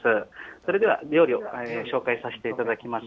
それでは料理を紹介させていただきます。